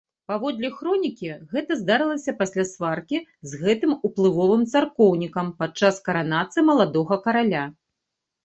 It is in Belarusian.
Паводле хронікі, гэта здарылася пасля сваркі з гэтым уплывовым царкоўнікам падчас каранацыі маладога караля.